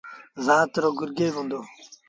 زآت رو گرگيز هُݩدو۔